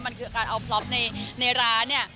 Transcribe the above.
มันคือการเอาพล็อปในร้านเนี่ย